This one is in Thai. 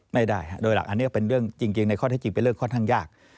ไม่ได้โดยหลักอันนี้ก็เป็นเรื่องจริงในข้อที่จริงเป็นเรื่องค่อนข้างยาก